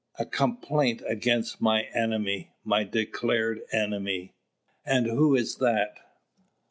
"A complaint against my enemy, my declared enemy." "And who is that?"